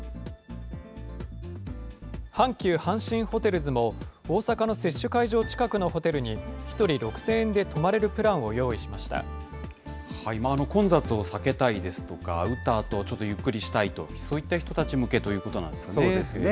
阪急阪神ホテルズも、大阪の接種会場近くのホテルに、１人６０００円で泊まれるプラン混雑を避けたいですとか、打ったあと、ちょっとゆっくりしたいと、そういった人たち向けといそうですね。